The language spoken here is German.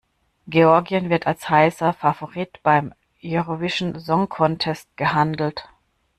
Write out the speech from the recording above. Georgien wird als heißer Favorit beim Eurovision Song Contest gehandelt.